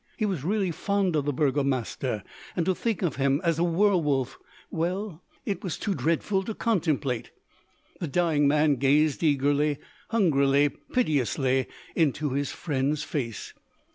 He was really fond of the Burgomaster, and to think of him a werwolf well! it was too dreadful to contemplate. The dying man gazed eagerly, hungrily, piteously into his friend's face.